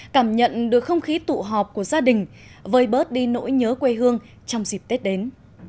cảm nhận được không khí tụ họp của gia đình vơi bớt đi nỗi nhớ quê hương trong dịp tết đến